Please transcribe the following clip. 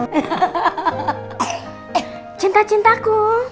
kamu cantik banget pake baju ini